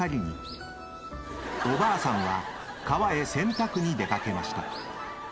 ［おばあさんは川へ洗濯に出掛けました］